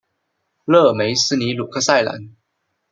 勒梅斯尼鲁克塞兰。